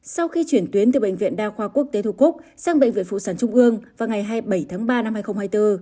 sau khi chuyển tuyến từ bệnh viện đa khoa quốc tế thu cúc sang bệnh viện phụ sản trung ương vào ngày hai mươi bảy tháng ba năm hai nghìn hai mươi bốn